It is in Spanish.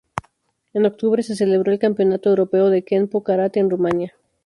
En octubre se celebró el Campeonato Europeo de Kenpo Karate en Rumania.